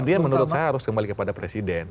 artinya menurut saya harus kembali kepada presiden